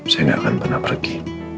saya tidak akan pernah pergi